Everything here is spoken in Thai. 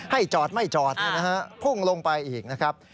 ให้จอดไม่จอดพุ่งลงไปอีกนะครับ